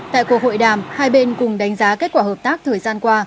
tại cuộc hội đàm hai bên cùng đánh giá kết quả hợp tác thời gian qua